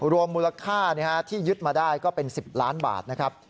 รวมมูลค่าที่ยึดมาได้ก็เป็น๑๐ล้านบาทนะครับ